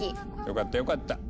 よかったよかった。